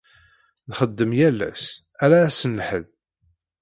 Nxeddem yal ass, ala ass n Lḥedd.